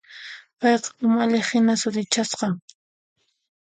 Payqa umalliqhina sutichasqa.